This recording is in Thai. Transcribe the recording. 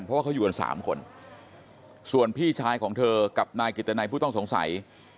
เพราะว่าเขาอยู่กันสามคนส่วนพี่ชายของเธอกับนายกิตนัยผู้ต้องสงสัย